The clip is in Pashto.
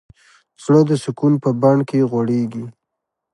زړه د سکون په بڼ کې غوړېږي.